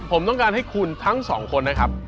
ผมต้องการให้คุณทั้งสองคนนะครับ